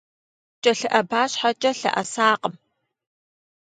КӀэлъыӀэба щхьэкӀэ лъэӀэсакъым.